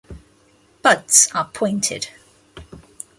Buds are pointed.